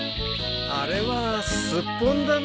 あれはスッポンだね。